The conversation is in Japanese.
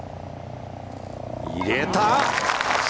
入れた！